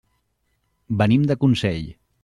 Venim de Consell.